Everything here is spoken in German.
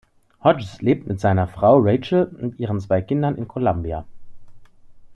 Hodges lebt mit seiner Frau Rachel und ihren zwei Kindern in Columbia.